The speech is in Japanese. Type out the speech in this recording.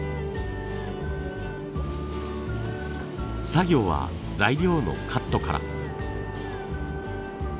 作業は材料のカットから。